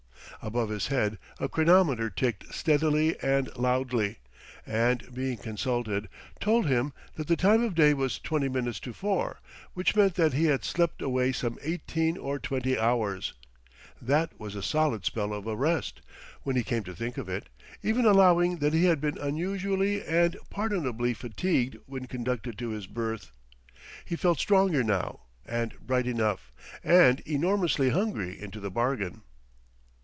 Above his head a chronometer ticked steadily and loudly, and, being consulted, told him that the time of day was twenty minutes to four; which meant that he had slept away some eighteen or twenty hours. That was a solid spell of a rest, when he came to think of it, even allowing that he had been unusually and pardonably fatigued when conducted to his berth. He felt stronger now, and bright enough and enormously hungry into the bargain.